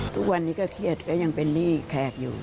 ทุกวันนี้ก็เครียดก็ยังเป็นหนี้แขกอยู่